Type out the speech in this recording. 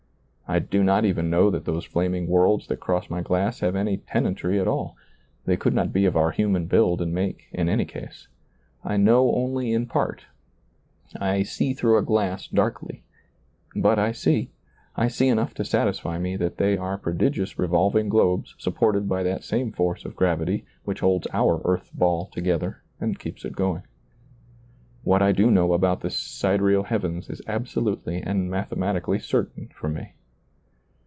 I do not even know that those flaming worlds that cross my glass have any tenantry at all ; they could not be of our human build and make, in any case. I " know only in part," I "see through a glass, darkly" but I see, I see enough to satisfy me that they are prodigious re volving globes supported by that same force of gravity which holds our earth ball together and keeps it going. What I do know about the si dereal heavens is absolutely and mathematically certain for me.